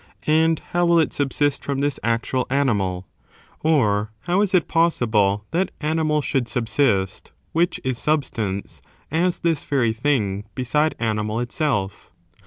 and how will it subsist fr*om this actual cmimal 9 or how is it possible that animal . should subsist — which is substance — as this very thing beside animal itself?